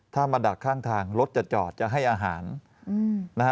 ถ้ามาดักข้างทางรถจะจอดจะให้อาหารนะฮะ